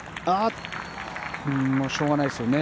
しょうがないですよね。